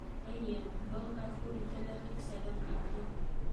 — Эйе, был ғәфү ителерлек сәбәп инде.